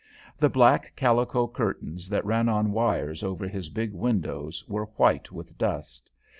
The black calico curtains that ran on wires over his big window were white with dust.